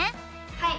はい！